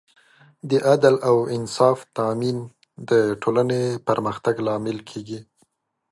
د عدل او انصاف تامین د ټولنې پرمختګ لامل کېږي.